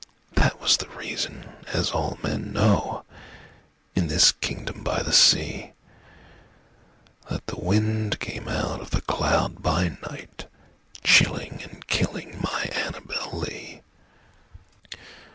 that was the reason (as all men know, In this kingdom by the sea) That the wind came out of the cloud by night, Chilling and killing my Annabel Lee.